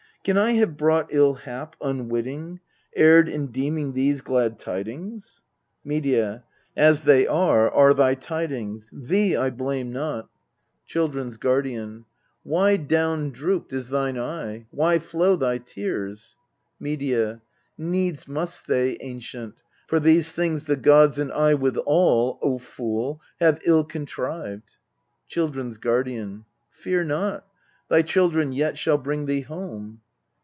Can I have brought ill hap Unwitting erred in deeming these glad tidings? Medea. As they are, are thy tidings: thee I blame not, 276 EURIPIDES Children 's Guardian. Why down drooped is thine eye? Why flow thy tears ? Medea. Needs must they, ancient ; for these things the gods And 1 withal O fool ! have ill contrived. Children s Guardian. Fear not : thy children yet shall bring thee home.